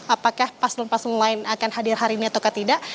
apakah paslon paslon lain akan hadir hari ini atau tidak